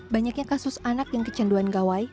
banyaknya kasus anak yang kecanduan gawai